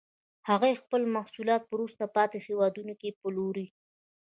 هغوی خپل محصولات په وروسته پاتې هېوادونو کې پلوري